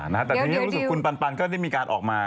แต่ทีนี้ลึกมีวิจุปันปันต้องที่มีการ์ดออกมา